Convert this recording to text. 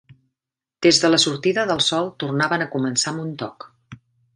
Des de la sortida de sol tornaven a començar amb un toc.